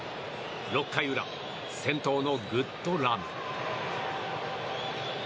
６回裏、先頭のグッドラム。